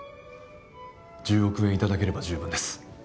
１０億円頂ければ十分です。